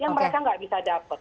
yang mereka nggak bisa dapat